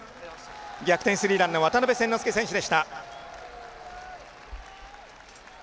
逆転スリーランの渡邉千之亮選手でした。